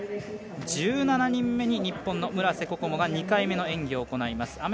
１７人目に日本の村瀬心椛が２回目の演技を行います。